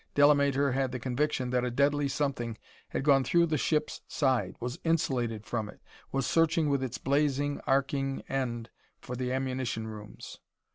Delamater had the conviction that a deadly something had gone through the ship's side was insulated from it was searching with its blazing, arcing end for the ammunition rooms....